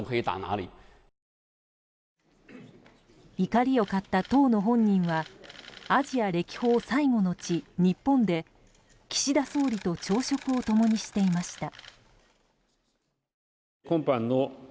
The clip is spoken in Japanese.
怒りを買った当の本人はアジア歴訪最後の地・日本で岸田総理と朝食を共にしていました。